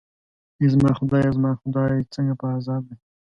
ای زما خدایه، زما خدای، څنګه په عذاب دی.